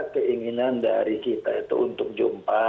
keinginan dari kita itu untuk jumpa